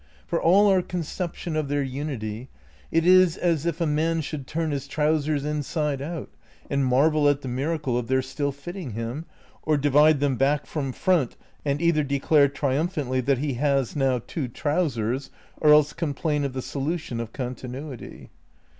For all our conception of their unity, it is as if a man should turn his trousers inside out and marvel at the miracle of their still fitting him, or divide them back from front and either declare tri umphantly that he has now two trousers, or else com plain of the solution of continuity.